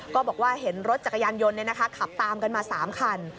ก็บอกว่าเห็นรถจักรยานยนต์ขับตามกันมา๓คัน